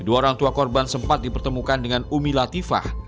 dua orang tua korban sempat dipertemukan dengan umi latifah